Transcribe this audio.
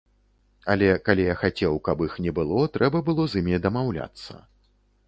Але калі я хацеў, каб іх не было, трэба было з імі дамаўляцца.